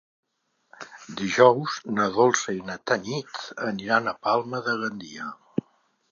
Dijous na Dolça i na Tanit aniran a Palma de Gandia.